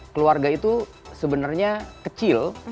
keluarga itu sebenarnya kecil